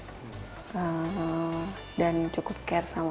yang dilihat dia orangnya sebenarnya dia orang yang baik